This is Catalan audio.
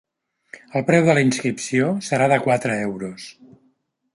El preu de la inscripció serà de quatre euros.